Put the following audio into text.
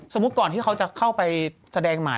ก่อนที่เขาจะเข้าไปแสดงหมาย